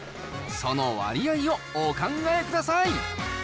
その割合をお考え下さい。